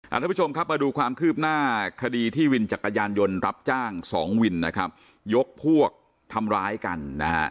คุณผู้ชมมาดูความคืบหน้าคดีที่วินจักรยานยนตร์รับจ้าง๒วินยกพวกทำร้ายกัน